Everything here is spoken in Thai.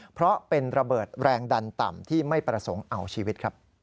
เพราะเป็นระเบิดแรงดันต่ำที่ไม่ประสงค์เอาชีวิตครับ